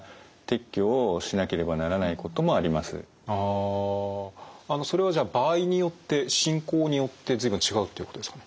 あのそれはじゃあ場合によって進行によって随分違うということですか？